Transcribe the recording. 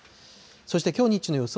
そしてきょう日中の予想